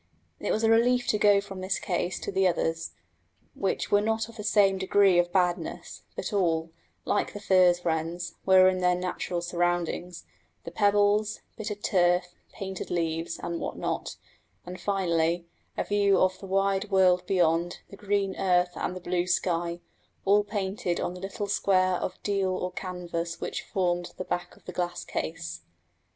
It was a relief to go from this case to the others, which were not of the same degree of badness, but all, like the furze wrens, were in their natural surroundings the pebbles, bit of turf, painted leaves, and what not, and, finally, a view of the wide world beyond, the green earth and the blue sky, all painted on the little square of deal or canvas which formed the back of the glass case.